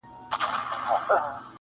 مین دي کړم خو لېونی دي نه کړم,